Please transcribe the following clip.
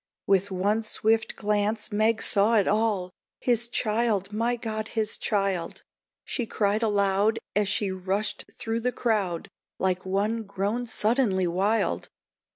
With one swift glance Meg saw it all. "His child my God! his child!" She cried aloud, as she rushed through the crowd Like one grown suddenly wild.